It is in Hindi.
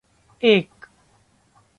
एक